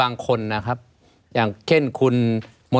ไม่มีครับไม่มีครับ